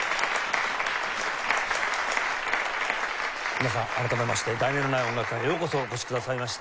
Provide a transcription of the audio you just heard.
皆さん改めまして『題名のない音楽会』へようこそお越しくださいました。